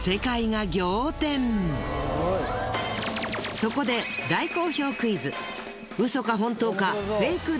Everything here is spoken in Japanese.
そこで大好評クイズ。